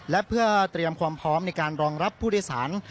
และเพื่อเตรียมความพร้อมในการรองรับผู้โดยสาร